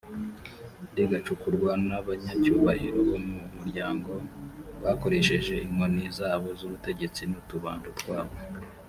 rigacukurwa n’abanyacyubahiro bo mu muryango, bakoresheje inkoni zabo z’ubutegetsi, n’utubando twabo.